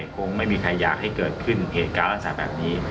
คงไม่มีใครอยากให้เกิดขึ้นเหตุการณ์ลักษณะแบบนี้